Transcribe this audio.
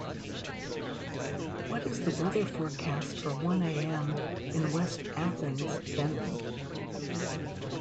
What is the weather forecast for one am. in West Athens, Benin